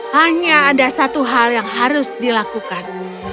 hanya ada satu hal yang harus dilakukan